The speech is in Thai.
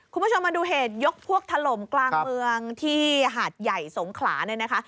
คุณผู้ชมมาดูเหตุยกพวกถล่มกลางเมืองที่หาดใหญ่สงขลาเนี่ยนะคะ